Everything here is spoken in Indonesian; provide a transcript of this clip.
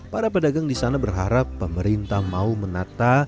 para pedagang di sana berharap pemerintah mau menata